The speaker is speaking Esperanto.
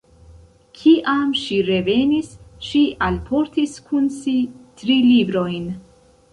Kiam ŝi revenis, ŝi alportis kun si tri librojn.